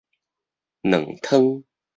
卵湯